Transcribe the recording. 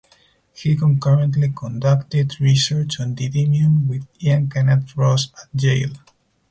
He concurrently conducted research on "Didymium" with Ian Kenneth Ross at Yale.